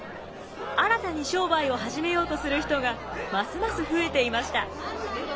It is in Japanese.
新たに商売を始めようとする人がますます増えていました。